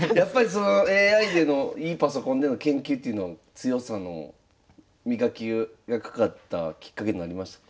ＡＩでのいいパソコンでの研究というのは強さの磨きがかかったきっかけになりましたか？